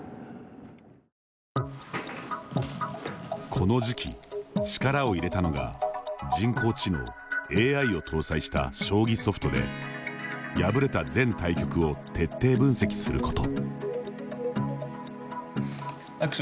この時期、力を入れたのが人工知能ＡＩを搭載した将棋ソフトで、敗れた全対局を徹底分析すること。